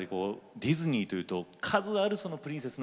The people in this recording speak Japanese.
ディズニーというと数あるプリンセス